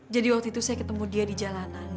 jadi waktu itu saya ketemu dia di jalanan